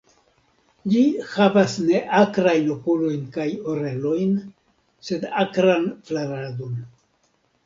Ĝi havas neakrajn okulojn kaj orelojn, sed akran flaradon.